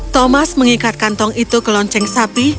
thomas mengikat kantong itu ke lonceng sapi